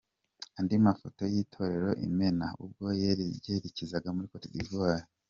Andi mafoto y'Itorero Imena ubwo ryerekezaga muri Côte d'Ivoire.